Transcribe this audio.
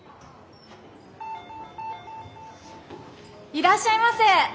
いらっしゃいませ！